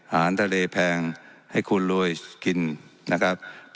อาหารทะเลแพงให้คุณรวยกินนะครับ